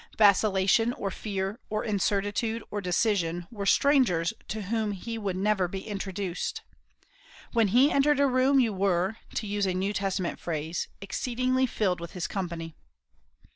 Vacillation, or fear, or incertitude, or indecision, were strangers to whom he would never be introduced. When he entered a room you were, to use a New Testament phrase, "exceedingly filled with his company."